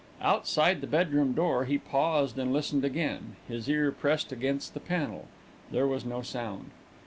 Outside the bedroom door he paused and listened again, his ear pressed against the panel. There was no sound.